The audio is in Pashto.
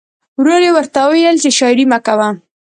ورور یې ورته وویل چې شاعري مه کوه